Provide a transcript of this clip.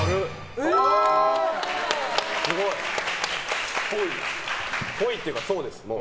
すごい。っぽいっていうか、そうです。